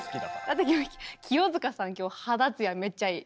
だって清塚さん今日肌つやめっちゃいい。